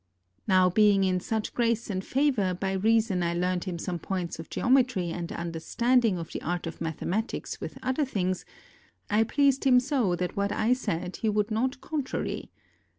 Now being in such grace and favor by reason I learned him some points of geome try and understanding of the art of mathematics with other things, I pleased him so that what I said he would not contrary.